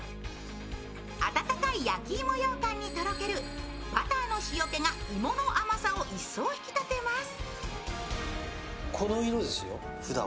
暖かい焼き芋ようかんにとろけるバターの塩気が芋の甘さを一層引き立てます。